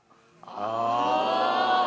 ああ。